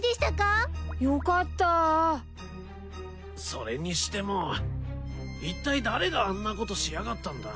それにしてもいったい誰があんなことしやがったんだ？